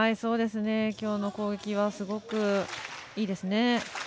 きょうの攻撃はすごくいいですね。